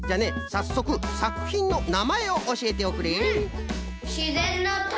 さっそくさくひんのなまえをおしえておくれ。